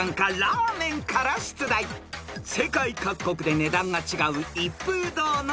［世界各国で値段が違う一風堂のラーメン］